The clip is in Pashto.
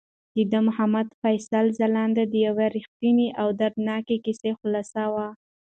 دا د محمد فیصل ځلاند د یوې رښتونې او دردونکې کیسې خلاصه وه.